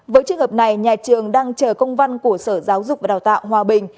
với trường hợp này nhà trường đang chờ công văn của sở giáo dục và đào tạo hòa bình